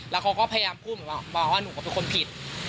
แล้วเขาก็พยายามพูดเหมือนบอกว่าหนูก็เป็นคนผิด